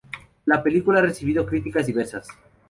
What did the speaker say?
La película ha recibido críticas diversas.